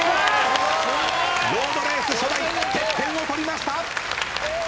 ロードレース初代ＴＥＰＰＥＮを取りました。